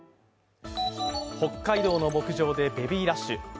北海道の牧場でベビーラッシュ。